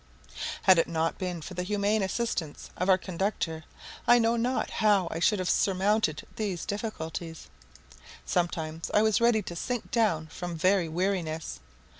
Had it not been for the humane assistance of our conductor, I know not how I should have surmounted these difficulties. Sometimes I was ready to sink down from very weariness.